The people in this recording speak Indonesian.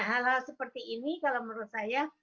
hal hal seperti ini kalau menurut saya